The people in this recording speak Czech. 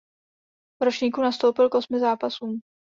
V ročníku nastoupil k osmi zápasům.